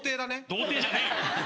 童貞じゃねえよ。